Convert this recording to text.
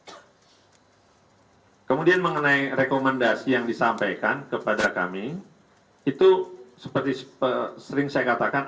jadi kemudian mengenai rekomendasi yang disampaikan kepada kami itu seperti sering saya katakan